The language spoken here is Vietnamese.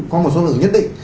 có một số lượng nhất định